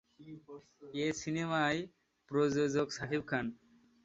এ সিনেমার প্রযোজক শাকিব খান।